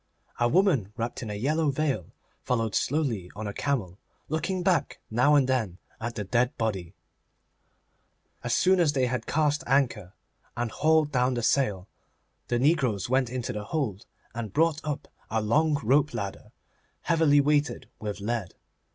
A woman wrapped in a yellow veil followed slowly on a camel, looking back now and then at the dead body. As soon as they had cast anchor and hauled down the sail, the negroes went into the hold and brought up a long rope ladder, heavily weighted with lead.